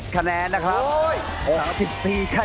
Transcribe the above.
แชมป์กลุ่มนี้คือ